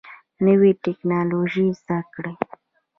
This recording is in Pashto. نوي ټکنالوژي زده کړئ